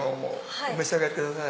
お召し上がりください。